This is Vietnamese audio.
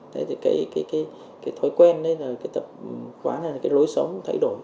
thế thì cái thói quen cái tập hóa cái lối sống thay đổi